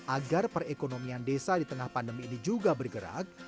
agar perekonomian desa di tengah pandemi ini juga bergerak